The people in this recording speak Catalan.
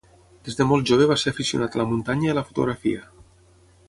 Des de molt jove va ser aficionat a la muntanya i a la fotografia.